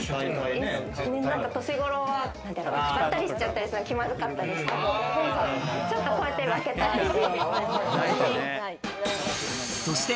年頃は、ばったりしちゃったりして、気まずかったりしたのでちょっと、こうやって分けたくて。